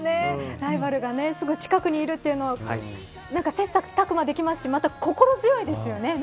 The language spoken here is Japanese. ライバルがすぐ近くにいるというのは切磋琢磨できますしまた、心強いですよね。